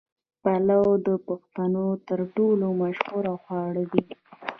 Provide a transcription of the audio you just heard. پلو د پښتنو تر ټولو مشهور خواړه دي.